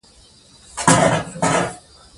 د مېلو یوه مهمه موخه د ټولنیزي سولې ترویج دئ.